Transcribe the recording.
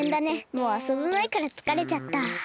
もうあそぶまえからつかれちゃった。